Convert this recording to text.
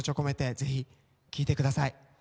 ぜひ、聴いてください。